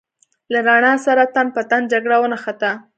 له رڼا سره تن په تن جګړه ونښته.